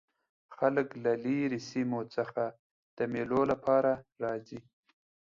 خلک له ليري سیمو څخه د مېلو له پاره راځي.